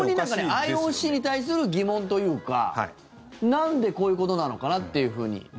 そこにＩＯＣに対する疑問というかなんでこういうことなのかなっていうふうに。